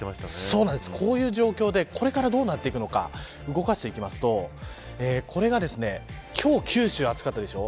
こういう状況でこれからどうなっていくのか動かしていきますとこれが、今日九州暑かったでしょ